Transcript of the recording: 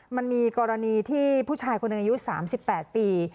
มันมีกรณีที่ผู้ชายคนอายุสามสิบแปดปี